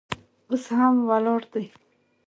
اوس هم ولاړ دی.